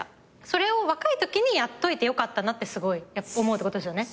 それを若いときにやっといてよかったなって思うってことですよね？